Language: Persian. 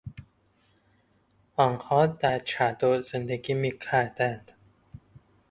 آنها در چادر زندگی میکردند.